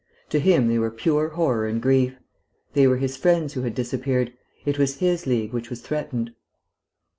To him they were pure horror and grief. They were his friends who had disappeared; it was his League which was threatened.